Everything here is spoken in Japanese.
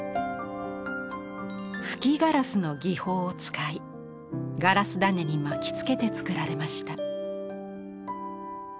吹きガラスの技法を使いガラス種に巻きつけて作られました。